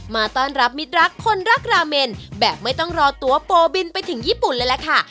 มาต้อนรับมิตรรักคนรักราเมนแบบไม่ต้องรอตัวโปบินไปถึงญี่ปุ่นเลยล่ะค่ะ